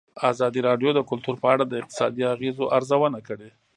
ازادي راډیو د کلتور په اړه د اقتصادي اغېزو ارزونه کړې.